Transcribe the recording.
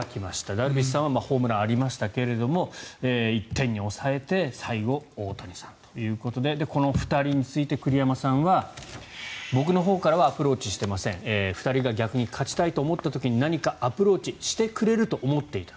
ダルビッシュさんはホームランありましたけれども１点に抑えて最後、大谷さんということでこの２人について栗山さんは僕のほうからはアプローチしていません２人が逆に勝ちたいと思った時に何かアプローチしてくれると思っていた。